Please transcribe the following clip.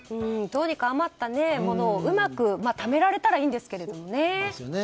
どうにか余ったものをうまくためられたらいいんですけどね。